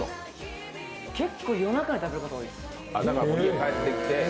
結構、夜中に食べること多いです。